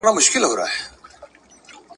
او د اعتیاد پړه یې `